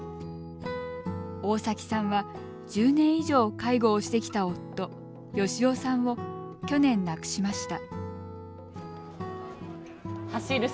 大崎さんは１０年以上介護をしてきた夫・善夫さんを去年、亡くしました。